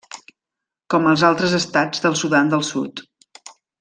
Com els altres estats del Sudan del Sud.